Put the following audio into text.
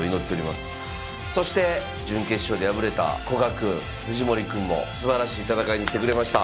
そして準決勝で敗れた古賀くん藤森くんもすばらしい戦い見せてくれました。